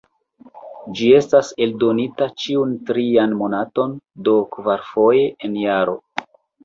Ĝi estas eldonata ĉiun trian monaton, do kvarfoje en jaro.